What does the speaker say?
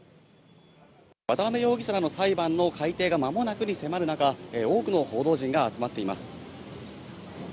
渡辺容疑者らの裁判の開廷がまもなくに迫る中、多くの報道陣が集まっています。